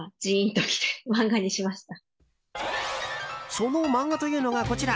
その漫画というのが、こちら。